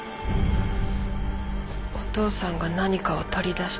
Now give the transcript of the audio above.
お父さんが何かを取り出した。